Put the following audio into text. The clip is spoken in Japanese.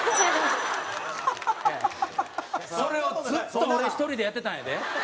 それをずっと俺１人でやってたんやで。